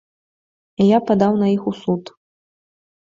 І я падаў на іх у суд.